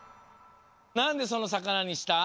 なんでそのさかなにした？